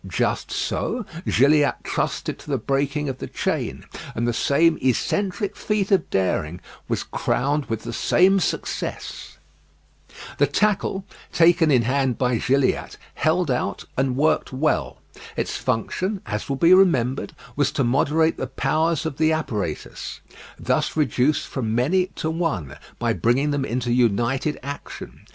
Just so Gilliatt trusted to the breaking of the chain; and the same eccentric feat of daring was crowned with the same success. The tackle, taken in hand by Gilliatt, held out and worked well. Its function, as will be remembered, was to moderate the powers of the apparatus, thus reduced from many to one, by bringing them into united action.